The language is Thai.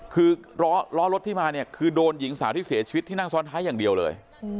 คือล้อรถที่มาเนี่ยคือโดนหญิงสาวที่เสียชีวิตที่นั่งซ้อนท้ายอย่างเดียวเลย